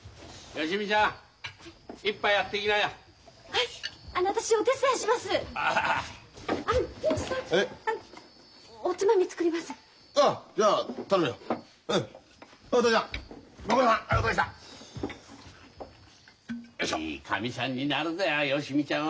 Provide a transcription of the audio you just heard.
いいカミさんになるぜ芳美ちゃんは。